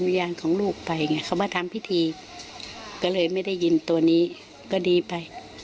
วิญญาณของลูกไปไงเขามาทำพิธีก็เลยไม่ได้ยินตัวนี้ก็ดีไป